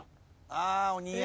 ああお似合い。